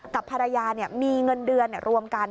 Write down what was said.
กับภรรยามีเงินเดือนรวมกัน